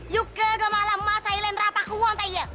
yuka gemalam masailen rapakuwontaiya